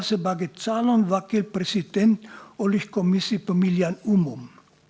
sebagai calon wakil presiden oleh komisi pemilihan umum